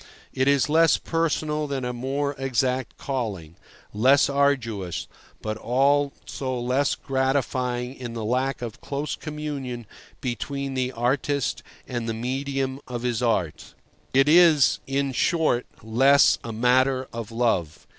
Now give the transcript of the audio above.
It is less personal and a more exact calling; less arduous, but also less gratifying in the lack of close communion between the artist and the medium of his art. It is, in short, less a matter of love.